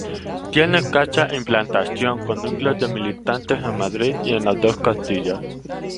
Tiene escasa implantación con núcleos de militantes en Madrid y en las dos Castillas.